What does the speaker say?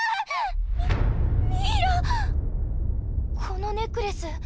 このネックレス